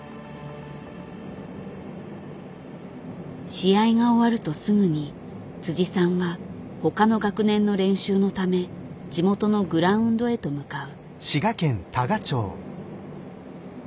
試合が終わるとすぐにさんは他の学年の練習のため地元のグラウンドへと向かう。